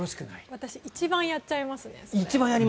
私一番やっちゃいますね。